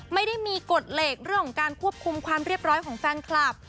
ไม่ได้มีกฎเหล็กเรื่องของการควบคุมความเรียบร้อยของแฟนคลับ